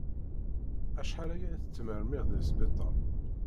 Acḥal aya i tettmermid di sbiṭar.